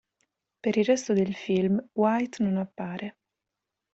Per il resto del film, White non appare.